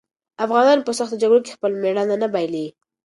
افغانان په سختو جګړو کې خپل مېړانه نه بايلي.